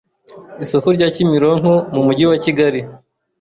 isoko rya Kimironko mu mujyi wa Kigali